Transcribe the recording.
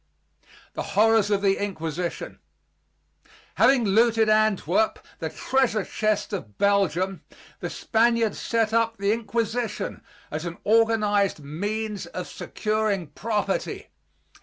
THE HORRORS OF THE INQUISITION Having looted Antwerp, the treasure chest of Belgium, the Spaniards set up the Inquisition as an organized means of securing property.